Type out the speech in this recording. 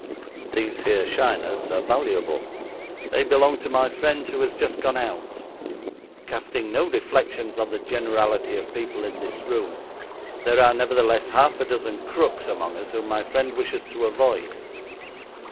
'These here shiners are valuable; they belong to my friend who has just gone out. Casting no reflections on the generality of people in this room, there are, nevertheless, half a dozen "crooks" among us whom my friend wishes to avoid.